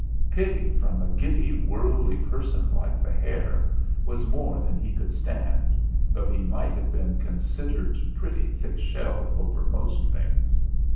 Pity from a giddy worldly person like the hare was more than he could stand, though he might have been considered pretty thick shelled over most things.